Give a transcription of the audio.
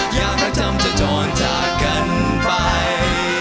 ยามพักทำจะจนจากกันไป